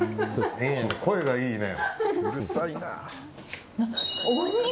声がいいね。